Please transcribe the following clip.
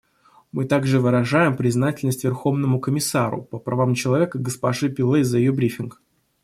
Мы также выражаем признательность Верховному комиссару по правам человека госпоже Пиллэй за ее брифинг.